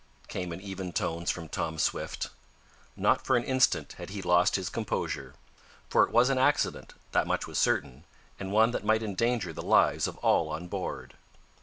came in even tones from Tom Swift. Not for an instant had he lost his composure. For it was an accident, that much was certain, and one that might endanger the lives of all on board.